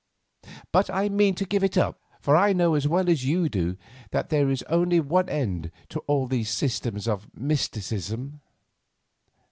But I mean to give it up, for I know as well as you do that there is only one end to all these systems of mysticism."